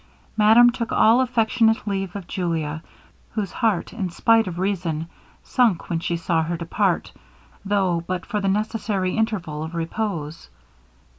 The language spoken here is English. Madame took all affectionate leave of Julia, whose heart, in spite of reason, sunk when she saw her depart, though but for the necessary interval of repose.